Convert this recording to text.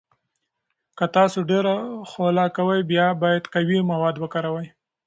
که تاسو ډیر خوله کوئ، بیا باید قوي مواد وکاروئ.